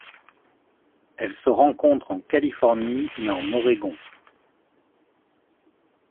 Elle se rencontre en Californie et en Oregon.